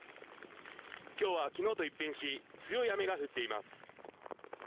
今日は昨日と一変し強い雨が降っています。